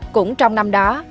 cũng trong năm đó